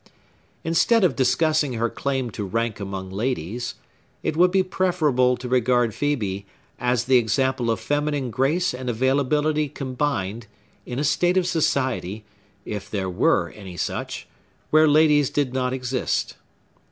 Instead of discussing her claim to rank among ladies, it would be preferable to regard Phœbe as the example of feminine grace and availability combined, in a state of society, if there were any such, where ladies did not exist.